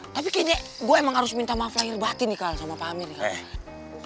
tapi kayaknya gue emang harus minta maaf lahir batin nih kak sama pak amin